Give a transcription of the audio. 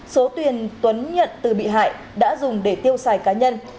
số tiền tuấn nhận từ bị hại đã dùng để tiêu xài cá nhân